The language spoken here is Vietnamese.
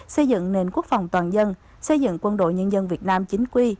xây dựng nền quốc phòng toàn dân xây dựng quân đội nhân dân việt nam chính quy